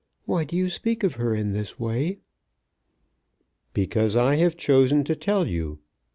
Why do you speak of her in this way?" "Because I have chosen to tell you.